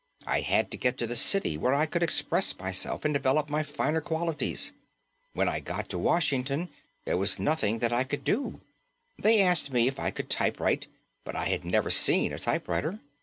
I had to get to the city where I could express myself and develop my finer qualities. When I got to Washington there was nothing that I could do. They asked me if I could typewrite, but I had never seen a typewriter.